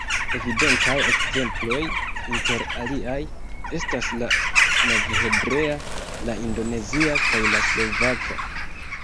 Evidentaj ekzemploj, inter aliaj, estas la novhebrea, la indonezia kaj la slovaka.